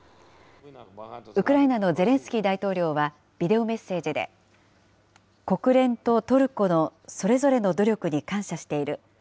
ウクライナのゼレンスキー大統領はビデオメッセージで、国連とトルコのそれぞれの努力に感謝している。